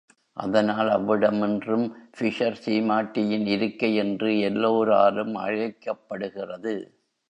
அதனால் அவ்விடம் இன்றும் ஃபிஷர் சீமாட்டியின் இருக்கை என்று எல்லோராலும் அழைக்கப் படுகிறது.